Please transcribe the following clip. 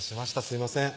すいません